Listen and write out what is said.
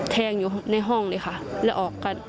แทงอยู่ในห้องเลยค่ะ